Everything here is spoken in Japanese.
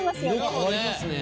色変わりますね。